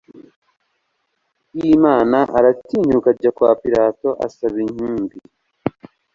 bw Imana aratinyuka ajya kwa Pilato asaba intumbi